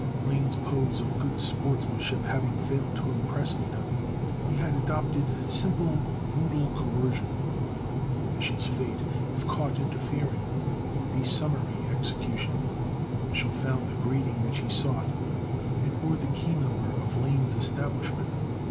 Lane's pose of good sportsmanship having failed to impress Nida, he had adopted simple, brutal coercion. Mich'l's fate, if caught interfering, would be summary execution. Mich'l found the grating which he sought. It bore the key number of Lane's establishment.